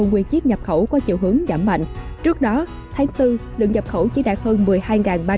nguyên chiếc nhập khẩu có chiều hướng giảm mạnh trước đó tháng bốn lượng nhập khẩu chỉ đạt hơn